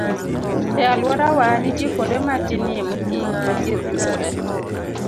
E alworawa, nitie kuonde matinie mogik ma thieth yudoree